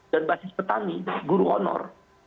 dan basis petani guru honor